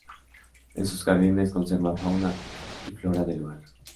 En sus jardines conserva fauna y flora del lugar.